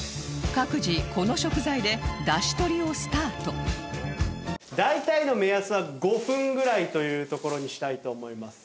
各自この食材で大体の目安は５分ぐらいというところにしたいと思います。